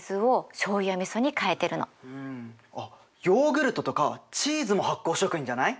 あっヨーグルトとかチーズも発酵食品じゃない？